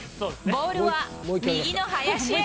ボールは右の林へ。